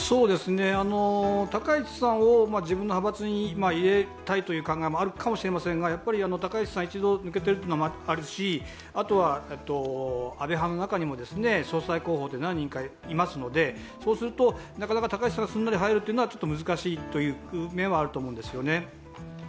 高市さんを自分の派閥に入れたいという考えはあるかもしれませんが高市さん、一度抜けているというのもあるし、安倍派の中にも総裁候補が何人かいますので、なかなか高市さんがすんなり入るのは難しい面はあると思います。